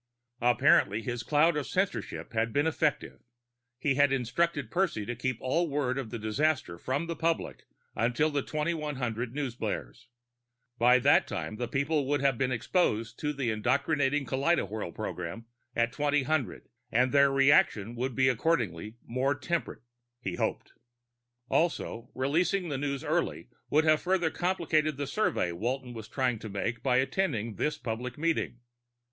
Apparently his cloud of censorship had been effective. He had instructed Percy to keep all word of the disaster from the public until the 2100 newsblares. By that time, the people would have been exposed to the indoctrinating kaleidowhirl program at 2000, and their reaction would be accordingly more temperate he hoped. Also, releasing the news early would have further complicated the survey Walton was trying to make by attending this public meeting.